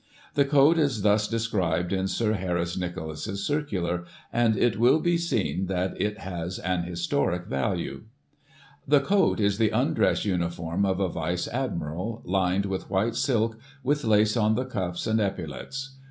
The coat is thus de scribed in Sir Harris Nicolas*s circular, and it will be seen that it has an historic value :* The coat is the undress uniform of a vice admiral, lined with white silk, with lace on the cuffs, and epaulettes.